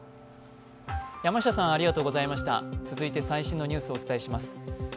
続いて最新のニュースをお伝えします。